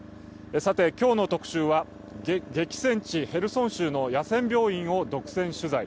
今日の特集は、激戦地ヘルソン州の野戦病院を独占取材。